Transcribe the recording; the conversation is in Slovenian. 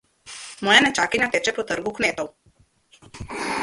Moja nečakinja teče po trgu kmetov.